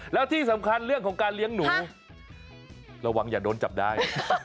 แล้วที่สำคัญเรื่องของการเลี้ยงหนูระวังอย่าโดนจับได้